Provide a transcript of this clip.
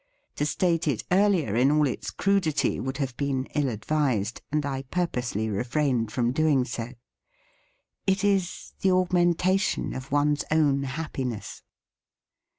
To state it earlier in all its crudity would have been ill advised ; and I pur posely refrained from doing so. It is the augmentation of one's own happi ness.